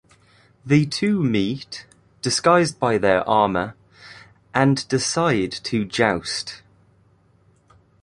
The two meet, disguised by their armor, and decide to joust.